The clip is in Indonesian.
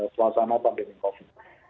suasana pandemi covid